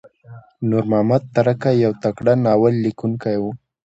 نورمحمد ترهکی یو تکړه ناوللیکونکی وو.